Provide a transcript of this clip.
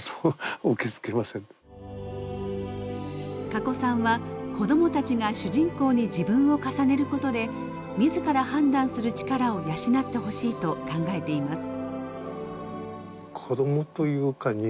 かこさんは子どもたちが主人公に自分を重ねる事で自ら判断する力を養ってほしいと考えています。